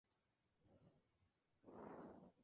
Posteriormente, se procede a su secado.